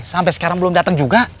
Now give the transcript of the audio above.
sampai sekarang belum datang juga